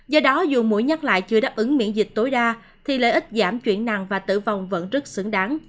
do đó dù mũi nhắc lại chưa đáp ứng miễn dịch tối đa thì lợi ích giảm chuyển nàng và tử vong vẫn rất xứng đáng